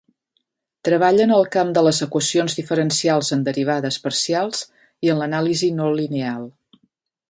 Treballa en el camp de les equacions diferencials en derivades parcials i en l'anàlisi no-lineal.